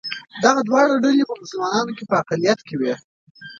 دغه دواړه ډلې په مسلمانانو کې په اقلیت کې وې.